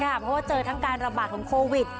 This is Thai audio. เพราะว่าเจอทั้งการระบาดของโควิด